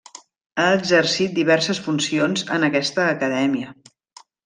Ha exercit diverses funcions en aquesta acadèmia.